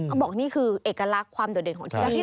บอกนี่คือเอกลักษณ์ความโดดเด่นของที่ร้านนี้